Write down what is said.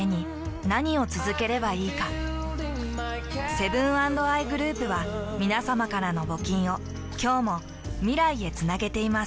セブン＆アイグループはみなさまからの募金を今日も未来へつなげています。